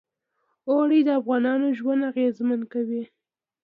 اوړي د افغانانو ژوند اغېزمن کوي.